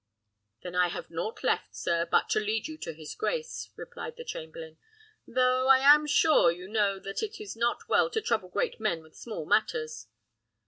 "Then I have nought left, sir, but to lead you to his grace," replied the chamberlain; "though, I am sure, you know that it is not well to trouble great men with small matters."